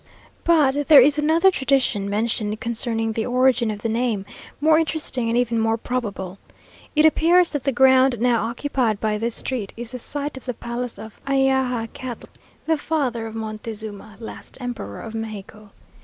But there is another tradition mentioned concerning the origin of the name, more interesting and even more probable. It appears that the ground now occupied by this street is the site of the Palace of Axayacatl, the father of Montezuma, last Emperor of Mexico.